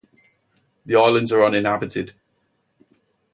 The islands are uninhabited.